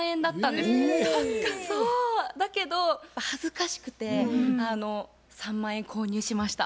だけど恥ずかしくて３万円購入しました。